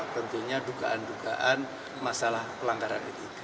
tentunya dugaan dugaan masalah pelanggaran md tiga